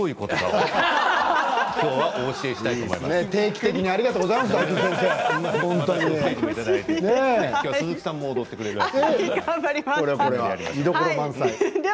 今日は鈴木さんも踊ってくださるそうで。